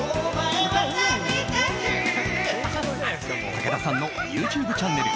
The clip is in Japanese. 武田さんのＹｏｕＴｕｂｅチャンネル。